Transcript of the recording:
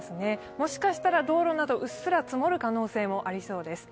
もしかしたら道路などうっすら積もる可能性もありそうです。